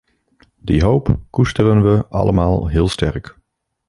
Die hoop koesteren we allemaal heel sterk.